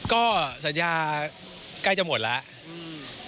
ก็สัญญาใกล้จะหมดแล้ว